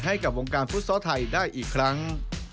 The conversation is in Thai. ให้กับวงการฟุตซอลไทยได้อีกครั้ง